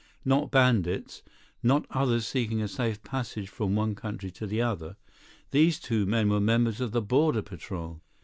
Not bandits, not others seeking a safe passage from one country to the other. These two men were members of the border patrol.